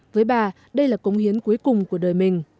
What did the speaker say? với bà đây là công hiến cuối cùng của đời mình